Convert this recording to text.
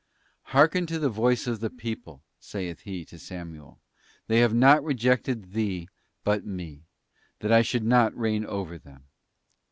'Hearken to the voice of the people,' saith He to Samuel: ' they have not rejected thee but Me, that I should not reign over them.